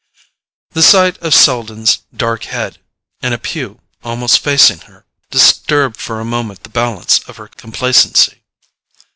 The sight of Selden's dark head, in a pew almost facing her, disturbed for a moment the balance of her complacency.